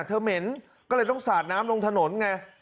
เหม็นก็เลยต้องสาดน้ำลงถนนไง